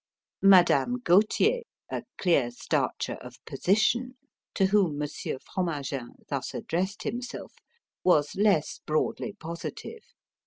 Madame Gauthier, a clear starcher of position, to whom Monsieur Fromagin thus addressed himself, was less broadly positive.